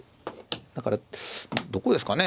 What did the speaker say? だからどこですかね？